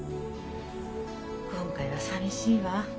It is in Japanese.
今回は寂しいわ。